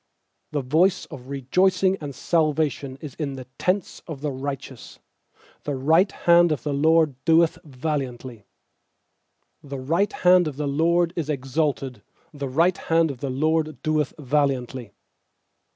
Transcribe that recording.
15The voice of rejoicing and salvation is in the tents of the righteous; The right hand of the LORD doeth valiantly. 16The right hand of the LORD is exalted; The right hand of the LORD doeth valiantly.